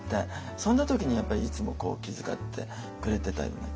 そんな時にやっぱりいつもこう気遣ってくれてたような気がしますね。